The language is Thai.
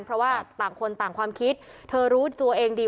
เพราะว่าต่างคนต่างความคิดเธอรู้ตัวเองดี